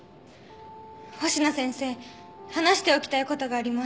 星名先生話しておきたい事があります。